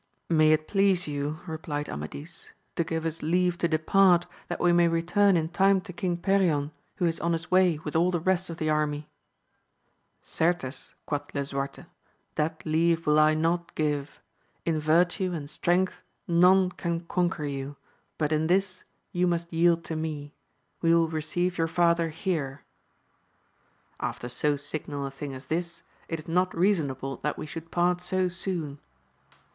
May it please you, replied Amadis, to give us leave to depart, that we may return in time to King Perion, who is on his way with all the rest of the army. Certes, quoth Lisuarte, that leave will I. not give. In virtue and strength none can conquer you ; but in this you must yield to me — ^we will receive your father here. After so signal a thing as this, it is not reasonable that we should part so soon